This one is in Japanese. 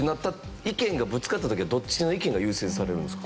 意見がぶつかった時はどっちの意見が優先されるんですか？